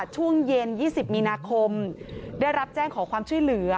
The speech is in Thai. ช่วงเย็น๒๐มีนาคมได้รับแจ้งขอความช่วยเหลือ